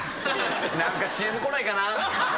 何かＣＭこないかな。